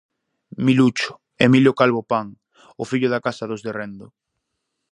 Milucho, Emilio Calvo Pan, o fillo da casa dos de Rendo.